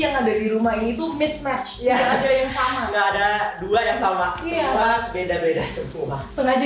yang ada di rumah itu mismatch yang ada yang sama ada dua yang sama beda beda semua sengaja